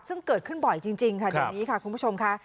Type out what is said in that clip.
ซึ่งเกิดขึ้นบ่อยจริงค่ะเดี๋ยวนี้ค่ะคุณผู้ชมค่ะ